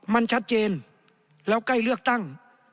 มันชัดเจนแล้วใกล้เลือกตั้ง